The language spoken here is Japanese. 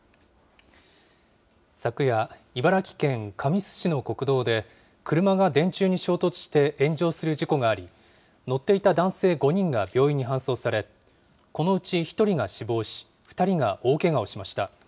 昨夜、茨城県神栖市の国道で、車が電柱に衝突して炎上する事故があり、乗っていた男性５人が病院に搬送され、このうち１人が死亡し、２人が大けがをしました。